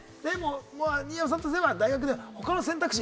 新山さんとすれば大学で他の選択肢。